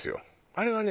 あれはね